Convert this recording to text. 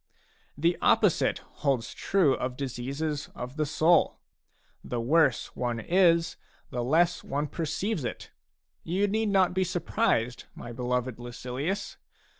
The opposite holds true of diseases of the soul ; the worse one is, the less one perceives it. You need not be surprised, my beloved Lucilius.